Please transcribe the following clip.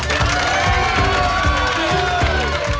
เฮ้ย